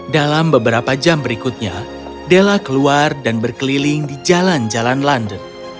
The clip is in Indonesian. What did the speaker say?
dalam beberapa jam berikutnya della keluar dan berkeliling di jalan jalan london